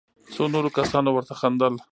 څو نورو کسانو ورته خندل.